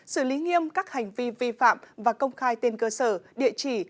xử lý nghiêm các hành vi vi phạm và công khai tên cơ sở địa chỉ